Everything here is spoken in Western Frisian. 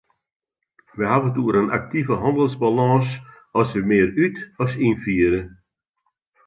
Wy hawwe it oer in aktive hannelsbalâns as wy mear út- as ynfiere.